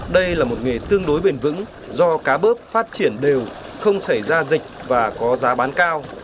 đây là một nghề tương đối bền vững do cá bớp phát triển đều không xảy ra dịch và có giá bán cao